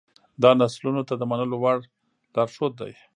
دا نسلونو ته د منلو وړ لارښود دی.